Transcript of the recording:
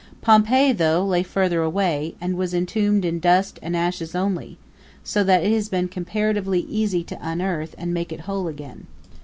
Pompeii, though, lay farther away, and was entombed in dust and ashes only; so that it has been comparatively easy to unearth it and make it whole again.